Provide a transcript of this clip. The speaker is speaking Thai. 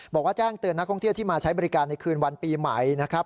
บอกว่าแจ้งเตือนนักท่องเที่ยวที่มาใช้บริการในคืนวันปีใหม่นะครับ